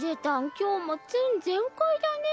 今日もツン全開だね。